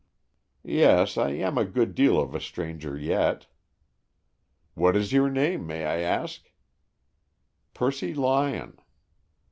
"Yes, I am a good deal of a stranger yet." "What is your name, may I ask?" "Percy Lyon."